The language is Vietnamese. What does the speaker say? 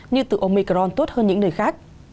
như từ omicron tốt hơn những nơi khác